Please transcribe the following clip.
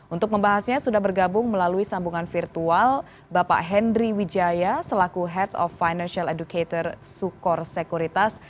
untuk membahasnya sudah bergabung melalui sambungan virtual bapak henry wijaya selaku heads of financial educator sukor sekuritas